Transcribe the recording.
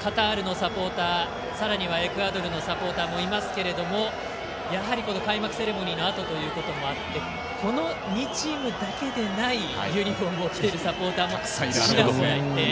カタールのサポーターさらにはエクアドルのサポーターもいますけどもやはり開幕セレモニーのあとということもあってこの２チームだけでないユニフォームを着ているサポーターもちらほらと。